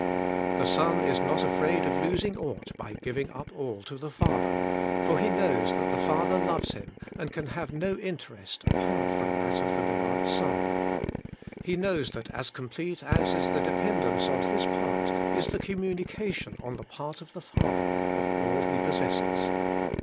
The Son is not afraid of losing aught by giving iTp all to the Father, for He knows that the Father loves Him, and can have no interest apart from that of the beloved Son. He knows that as complete as is the dependence on His part is the communication on the part of the Father of all He possesses.